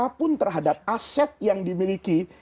apapun terhadap aset yang dimiliki